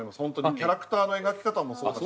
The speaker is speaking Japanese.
キャラクターの描き方もそうだし